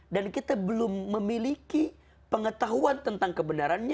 dan kita belum memiliki pengetahuan tentang kebenarannya